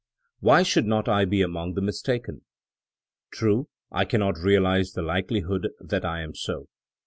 "Why should not I be among the mistaken? True, I cannot realize the likelihood that I am so.